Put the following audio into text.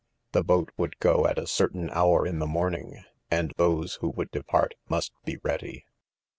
The ' boat would go at a certain hour in the morn ing, and those who would depart must be. rea dy.